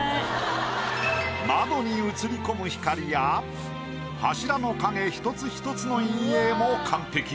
窓に映り込む光や柱の影一つ一つの陰影も完璧。